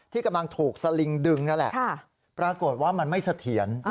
ที่กำลังถูกสลิงดึงนั่นแหละปรากฏว่ามันไม่เสถียร